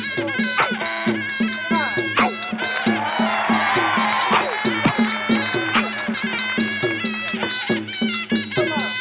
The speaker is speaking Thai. ของจริงนี่ของจริง